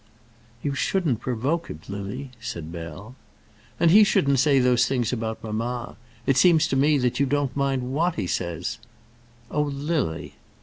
"You shouldn't provoke him, Lily," said Bell. "And he shouldn't say those things about mamma. It seems to me that you don't mind what he says." "Oh, Lily."